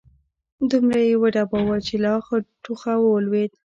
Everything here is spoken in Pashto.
دومره يې وډباوه چې له اخه، ټوخه ولوېد